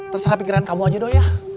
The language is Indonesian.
terserah pikiran kamu aja dok ya